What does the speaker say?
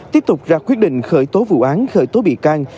tiếp tục ra quyết định khởi tố vụ án khởi tố bị can